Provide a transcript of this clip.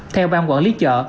theo bang quản lý chợ